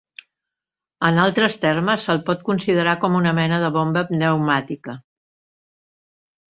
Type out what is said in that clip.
En altres termes se'l pot considerar com una mena de bomba pneumàtica.